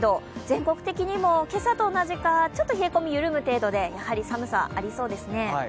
全国的にも今朝と同じかちょっと冷え込み緩む程度でやはり寒さ、ありそうですね。